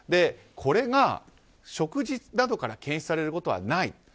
これが食事などから検出されることはない。